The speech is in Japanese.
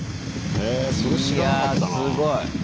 いやすごい。